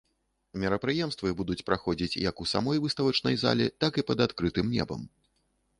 Мерапрыемствы будуць праходзіць, як у самой выставачнай зале, так і пад адкрытым небам.